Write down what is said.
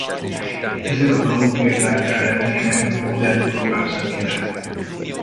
Ezek a dalok példák is lehetnének a modern programzenére.